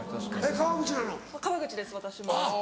川口です私も。